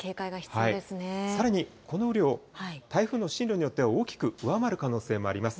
さらにこの雨量、台風の進路によっては大きく上回る可能性もあります。